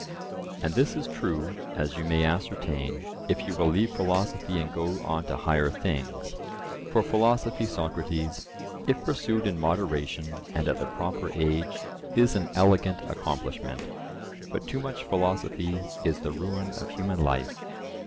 And this is true, as you may ascertain, if you will leave philosophy and go on to higher things: for philosophy, Socrates, if pursued in moderation and at the proper age, is an elegant accomplishment, but too much philosophy is the ruin of human life.